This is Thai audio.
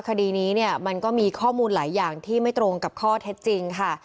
คดีนี้เนี่ยมันก็มีข้อมูลหลายอย่างที่ไม่ตรงกับข้อเท็จจริงค่ะ